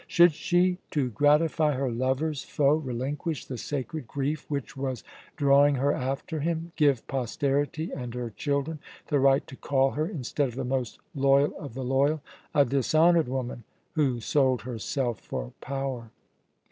Should she, to gratify her lover's foe, relinquish the sacred grief which was drawing her after him, give posterity and her children the right to call her, instead of the most loyal of the loyal, a dishonoured woman, who sold herself for power?